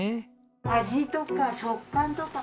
味とか食感とか。